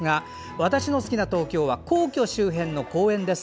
私の好きな東京は皇居周辺の公園です。